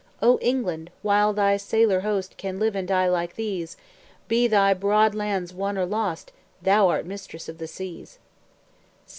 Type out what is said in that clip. Oh England, while thy sailor host Can live and die like these, Be thy broad lands or won or lost, Thou'rt mistress of the seas!